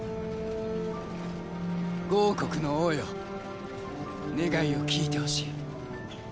５王国の王よ願いを聞いてほしい。